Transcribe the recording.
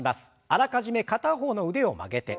あらかじめ片方の腕を曲げて。